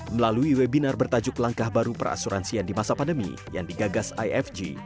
melalui webinar bertajuk langkah baru perasuransian di masa pandemi yang digagas ifg